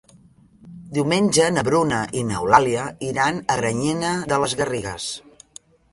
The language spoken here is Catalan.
Diumenge na Bruna i n'Eulàlia iran a Granyena de les Garrigues.